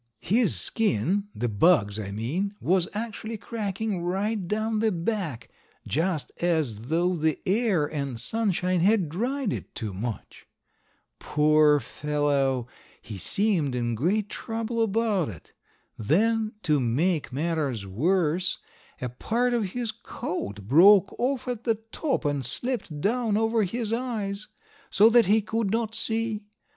His skin (the bug's, I mean), was actually cracking right down the back, just as though the air and sunshine had dried it too much. Poor fellow, he seemed in great trouble about it. Then, to make matters worse, a part of his coat broke off at the top and slipped down over his eyes, so that he could not see.